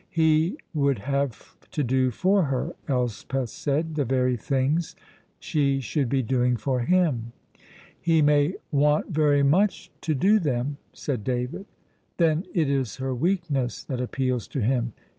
"He would have to do for her," Elspeth said, "the very things she should be doing for him." "He may want very much to do them," said David. "Then it is her weakness that appeals to him.